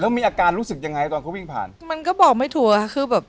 แล้วมีอาการรู้สึกยังไงตอนเขาวิ่งผ่านมันก็บอกไม่ถูกค่ะคือแบบ